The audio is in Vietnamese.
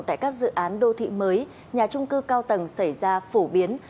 tại các dự án đô thị mới nhà trung cư cao tầng xảy ra phổ biến